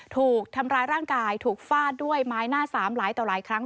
ถูกทำร้ายร่างกายถูกฟาดด้วยไม้หน้าสามหลายต่อหลายครั้ง